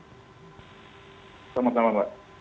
selamat malam mbak